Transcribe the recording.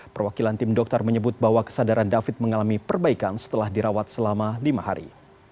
perwakilan tim dokter menyebut bahwa kesadaran david mengalami perbaikan setelah dirawat selama lima hari